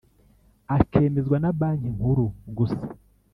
akemezwa na Banki Nkuru gusa